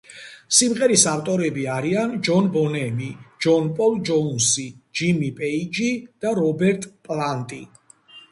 სიმღერის ავტორები არიან ჯონ ბონემი, ჯონ პოლ ჯოუნსი, ჯიმი პეიჯი და რობერტ პლანტი.